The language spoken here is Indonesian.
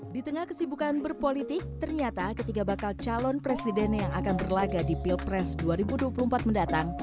di tengah kesibukan berpolitik ternyata ketiga bakal calon presiden yang akan berlaga di pilpres dua ribu dua puluh empat mendatang